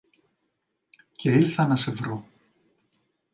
και ήλθα να σε βρω.